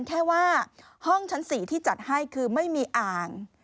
แค่ว่าห้องชั้น๔ที่จัดให้คือไม่มีอ่าง